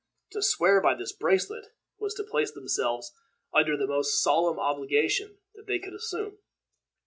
To swear by this bracelet was to place themselves under the most solemn obligation that they could assume.